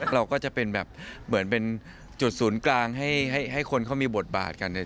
เราก็จะเป็นแบบเหมือนเป็นจุดศูนย์กลางให้คนเขามีบทบาทกันเนี่ย